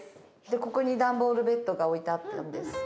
ここに段ボールベッドが置いてあったんです。